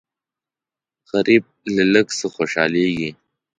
غریب له لږ څه خوشالېږي